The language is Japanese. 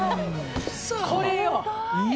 これよ！